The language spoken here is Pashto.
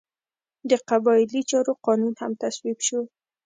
د قبایلي چارو قانون هم تصویب شو.